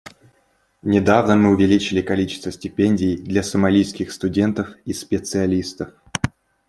Недавно мы увеличили количество стипендий для сомалийских студентов и специалистов.